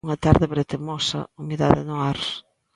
Unha tarde bretemosa, humidade no ar.